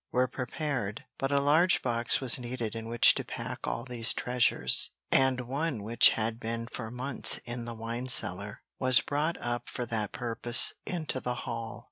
were prepared; but a large box was needed in which to pack all these treasures; and one which had been for months in the wine cellar was brought up for that purpose into the hall.